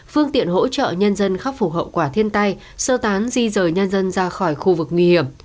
phương tiện hỗ trợ nhân dân khắc phục hậu quả thiên tai sơ tán di rời nhân dân ra khỏi khu vực nguy hiểm